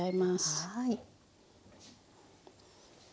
はい。